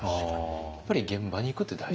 やっぱり現場に行くって大事？